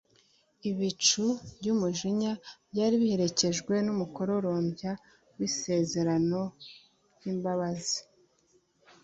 Ibicu by'umujinya byari biherekejwe n'umukororombya w'isezerano ry'imbabazi.